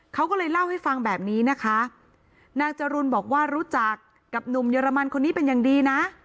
เขาก็เลยเล่าให้ฟังแบบนี้นะคะนางจรุนบอกว่ารู้จักกับหนุ่มเยอรมันคนนี้เป็นอย่างดีนะ